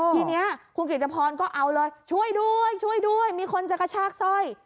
ทีนี้คุณกิจพรก็เอาเลยช่วยด้วยช่วยด้วยมีคนจะกระชากสร้อย